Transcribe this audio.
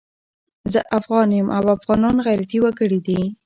زه افغان یم او افغانان غيرتي وګړي دي